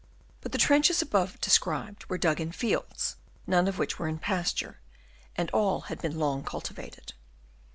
But the trenches above described were dug in fields, none of which were in pasture, and all had been long cultivated.